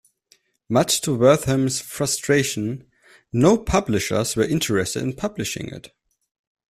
Much to Wertham's frustration, no publishers were interested in publishing it.